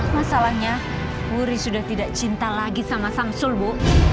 masalahnya wuri sudah tidak cinta lagi sama samsul bu